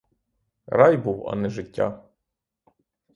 Рай був, а не життя!